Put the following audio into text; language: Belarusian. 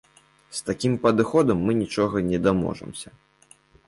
З такім падыходам мы нічога не даможамся.